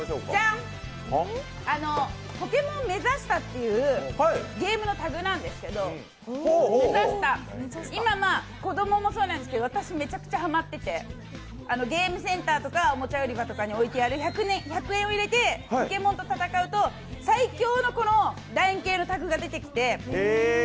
「ポケモンメザスタ」というゲームのタグなんですけど今、子供もそうなんですけど私、めちゃくちゃハマってましてゲームセンターとかおもちゃ売り場とかに置いてある１００円を入れてポケモンと戦うと最強のこの楕円形のタグが出てきて。